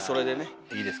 いいですから。